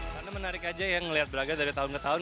sangat menarik saja ya melihat braga dari tahun ke tahun